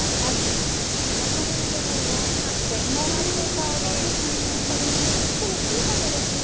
確かにこのお焦げの部分も相まって香ばしい香りそして具材特に椎茸ですね。